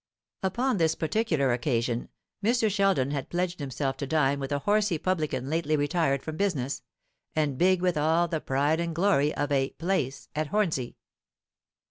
Upon this particular occasion Mr. Sheldon had pledged himself to dine with a horsey publican lately retired from business, and big with all the pride and glory of a "place" at Hornsey.